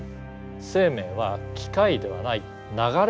生命は機械ではない流れだ。